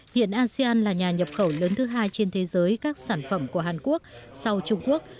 hiện asean là nhà nhập khẩu lớn thứ hai trên thế giới các sản phẩm của hàn quốc sau trung quốc